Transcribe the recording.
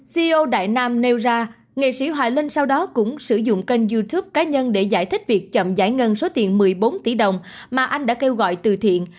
ceo đại nam nêu ra nghệ sĩ hoài linh sau đó cũng sử dụng kênh youtube cá nhân để giải thích việc chậm giải ngân số tiền một mươi bốn tỷ đồng mà anh đã kêu gọi từ thiện